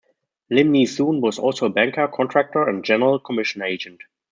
Lim Nee Soon was also a banker, contractor and general commission agent.